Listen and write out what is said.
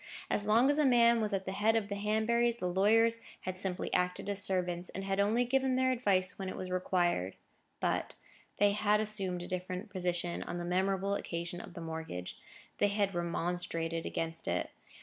As long as a man was at the head of the Hanburys, the lawyers had simply acted as servants, and had only given their advice when it was required. But they had assumed a different position on the memorable occasion of the mortgage: they had remonstrated against it.